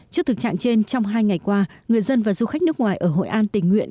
trước thực trạng trên trong hai ngày qua người dân và du khách nước ngoài ở hội an tình nguyện